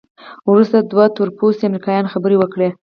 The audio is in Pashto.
وروسته دوه تورپوستي امریکایان خبرې وکړې.